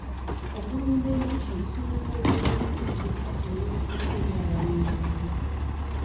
Okulunda enjuki nsibuko y'ebyenyingiza eyesigika eri abalimirunzi.